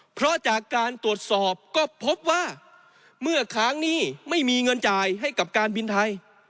เพราะจากการตรวจสอบก็พบว่าเมื่อค้างหนี้ไม่มีเงินจ่ายให้กับการบินไทย